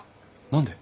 何で？